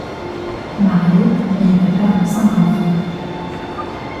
Marié, il était père de cinq enfants.